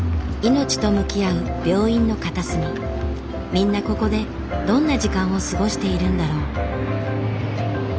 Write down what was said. みんなここでどんな時間を過ごしているんだろう？